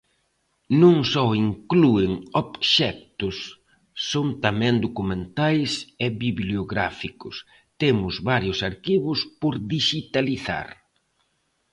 Non só inclúen obxectos, son tamén documentais e bibliográficos, temos varios arquivos por dixitalizar.